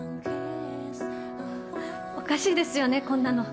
おかしいですよね、こんなの。